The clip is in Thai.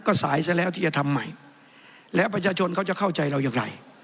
ก็สายซะแล้วที่จะทำใหม่แล้วประชาชนเขาจะเข้าใจเราอย่างไร